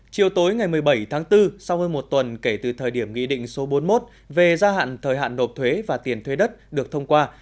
chiều tối ngày một mươi bảy tháng bốn sau hơn một tuần kể từ thời điểm nghị định số bốn mươi một về gia hạn thời hạn nộp thuế và tiền thuế đất được thông qua